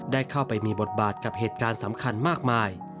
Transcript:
ได้เข้าไปมีบทบาทกับเหตุการณ์สำคัญมากมาย